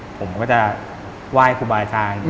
ผมก็จะไหว้ครูบาอาจารย์